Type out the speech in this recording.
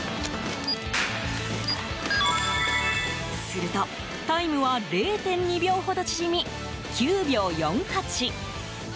すると、タイムは０．２秒ほど縮み９秒４８。